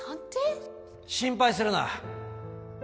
心配するな。